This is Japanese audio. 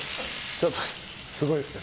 ちょっとすごいですね